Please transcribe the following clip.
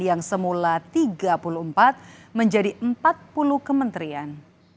yang semula tiga puluh empat menjadi empat puluh kementerian hai apa apa ke memang diperlukan rencana penambahan kementerian